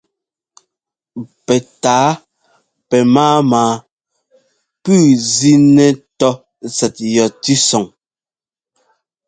Pɛtǎa pɛmáama pʉ́ʉ zínɛ́ tɔ́ tsɛt yɔ tʉ́sɔŋ.